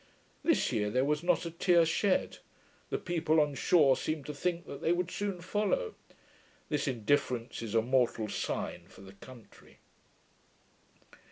This year there was not a tear shed. The people on shore seemed to think that they would soon follow. This indifference is a mortal sign for the country.